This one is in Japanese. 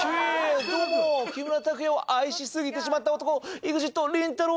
どうも木村拓哉を愛しすぎてしまった男ＥＸＩＴ・りんたろー。